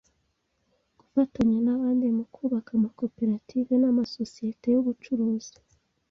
Gufatanya n’abandi mu kubaka amakoperative n’amasosiyete y’ubucuruzi.